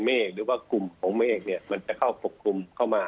หรือว่ากลุ่มของเมฆเนี่ยมันจะเข้าปกคลุมเข้ามา